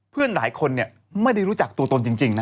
เพื่อนหลายคนไม่ได้รู้จักตัวตนจริงนะ